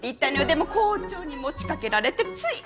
でも校長に持ちかけられてつい。